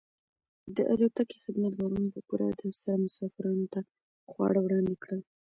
د الوتکې خدمتګارانو په پوره ادب سره مسافرانو ته خواړه وړاندې کړل.